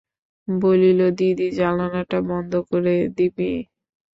বলিল, দিদি, জানালাটা বন্ধ করে দিবি?